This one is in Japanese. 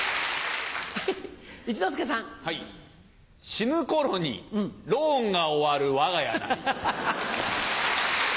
死ぬ頃にローンが終わる我が家なり。